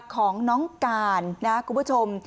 ของน้องการนะคุณผู้ชม